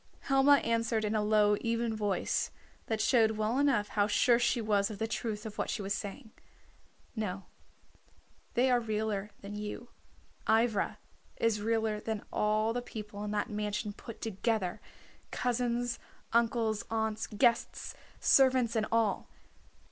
Helma answered in a low even voice, that showed well enough how sure she was of the truth of what she was saying "No, they are realer than you. Ivra is realer than all the people in that mansion put together, cousins, uncles, aunts, guests, servants and all.